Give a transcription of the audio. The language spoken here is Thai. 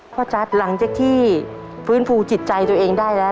จัดหลังจากที่ฟื้นฟูจิตใจตัวเองได้แล้ว